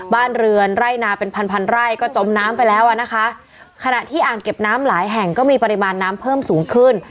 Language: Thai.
บ้านเรือนไร่นาเป็นพันพันไร่ก็จมน้ำไปแล้วอ่ะนะคะขณะที่อ่างเก็บน้ำหลายแห่งก็มีปริมาณน้ำเพิ่มสูงขึ้น